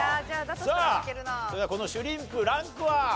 さあそれではこのシュリンプランクは？